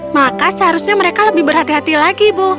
maka seharusnya mereka lebih berhati hati lagi bu